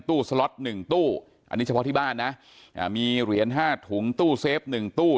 สล็อตหนึ่งตู้อันนี้เฉพาะที่บ้านนะมีเหรียญห้าถุงตู้เซฟ๑ตู้